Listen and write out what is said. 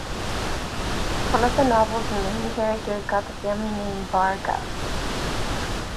One of the novel's main characters got the family name "Barga".